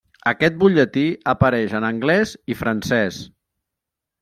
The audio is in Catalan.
Aquest butlletí apareix en angles i francès.